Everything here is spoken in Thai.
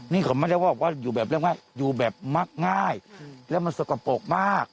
นี่เขาไม่ได้บอกว่าอยู่แบบเรียกว่าอยู่แบบมักง่ายแล้วมันสกปรกมาก